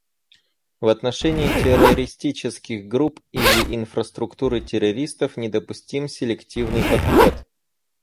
В отношении террористических групп или инфраструктуры террористов недопустим селективный подход.